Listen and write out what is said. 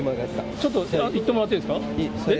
ちょっと行ってもらっていいですか？